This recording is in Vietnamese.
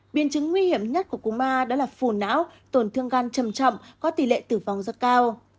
biến chứng nguy hiểm nhất của cô ma đó là phù náo tổn thương gan chầm chậm có tỷ lệ tử phong rất cao